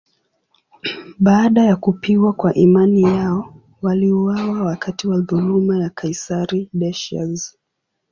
Baada ya kupigwa kwa imani yao, waliuawa wakati wa dhuluma ya kaisari Decius.